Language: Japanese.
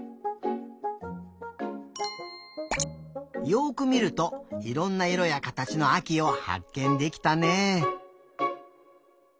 よくみるといろんないろやかたちのあきをはっけんできたね。